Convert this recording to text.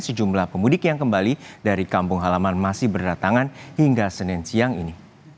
sejumlah pemudik yang kembali dari kampung halaman masih berdatangan hingga senin siang ini